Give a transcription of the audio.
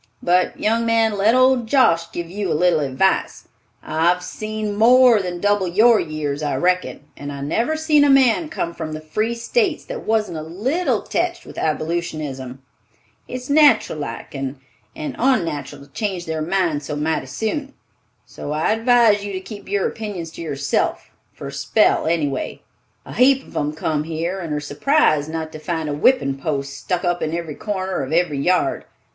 But, young man, let old Josh give you a little advice. I've seen more than double your years, I reckon, and I never seen a man come from the free states that wasn't a little teched with abolitionism. It's nateral like and onnateral to change their mind so mighty soon. So I advise you to keep your opinions to yourself for a spell, any way. A heap on 'em come here, and are surprised not to find a whippin' post stuck up in a corner of every yard.